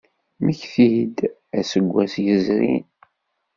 Mmekti-d aseggas yezrin.